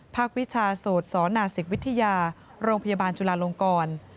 วิชาโสดสนศิกวิทยาโรงพยาบาลจุลาลงกร